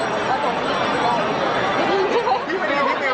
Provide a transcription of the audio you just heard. เอ่อเรามีอาจจะมีมุมมองที่ไม่เหมือนกัน